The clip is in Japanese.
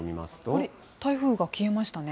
あれ、台風が消えましたね。